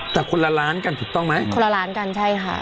แต่คนละล้านกันถูกต้องไหมคนละล้านกันใช่ค่ะ